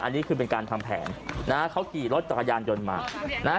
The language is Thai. อันนี้คือเป็นการทำแผนนะฮะเขาขี่รถจักรยานยนต์มานะฮะ